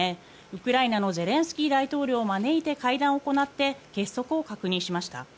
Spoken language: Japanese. ウクライナのゼレンスキー大統領を招いて会談を行って結束を確認しました。